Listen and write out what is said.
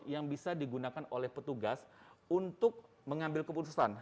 yang bisa digunakan oleh petugas untuk mengambil keputusan